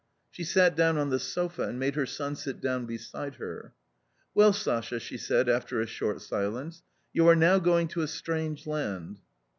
She sat down on the sofa and made her son sit down beside her. " Well, Sasha," she said after a short silence, " you are now going to a strange land."